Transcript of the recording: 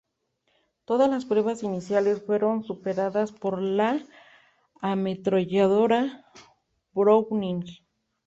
Todas las pruebas iniciales fueron superadas por la ametralladora Browning.